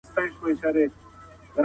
ضايع شوی وخت بېرته نه راځي.